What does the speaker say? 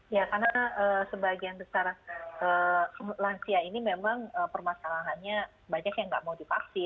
ya karena sebagian besar lansia ini memang permasalahannya banyak yang nggak mau divaksin